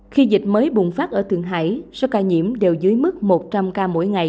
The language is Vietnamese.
khi dịch mới bùng phát ở thượng hải số ca nhiễm đều dưới mức một trăm linh ca mỗi ngày